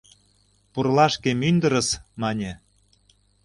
— Пурлашке мӱндырыс, — мане.